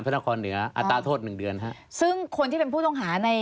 นครเหนืออัตราโทษหนึ่งเดือนฮะซึ่งคนที่เป็นผู้ต้องหาใน